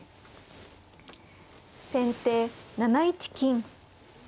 先手７一金。